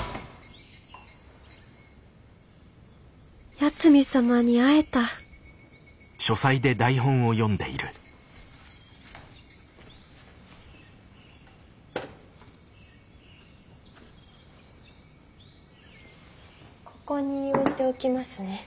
八海サマに会えたここに置いておきますね。